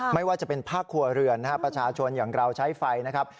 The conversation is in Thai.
ไม่ว่าจะเป็นภาคครัวเรือนนะครับประชาชนอย่างเราใช้ไฟนะครับ